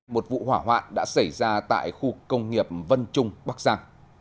một vụ hỏa hoạn đã xảy ra tại khu công nghiệp vân trung bắc giang